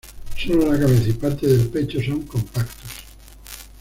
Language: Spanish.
Sólo la cabeza y parte del pecho son compactos.